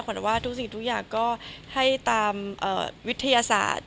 ว่าทุกสิ่งทุกอย่างก็ให้ตามวิทยาศาสตร์